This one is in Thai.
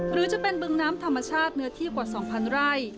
หรือจะเป็นบึงน้ำธรรมชาติเนื้อที่กว่า๒๐๐ไร่